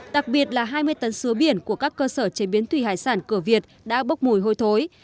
đặc biệt là hai mươi tấn sứa biển của các cơ sở chế biến thủy hải sản cửa việt đã bốc mùi hôi thối